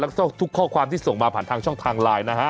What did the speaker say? แล้วก็ทุกข้อความที่ส่งมาผ่านทางช่องทางไลน์นะฮะ